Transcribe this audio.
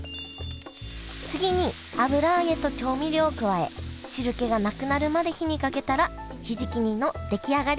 次に油揚げと調味料を加え汁気がなくなるまで火にかけたらひじき煮の出来上がり！